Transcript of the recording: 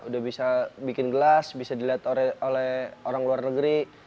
udah bisa bikin gelas bisa dilihat oleh orang luar negeri